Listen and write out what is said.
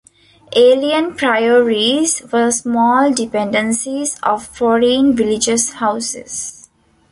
Alien Priories were small dependencies of foreign religious houses.